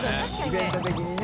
イベント的にね。